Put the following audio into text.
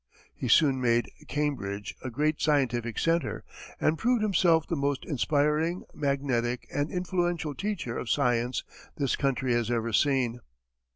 He soon made Cambridge a great scientific centre, and proved himself the most inspiring, magnetic and influential teacher of science this country has ever seen.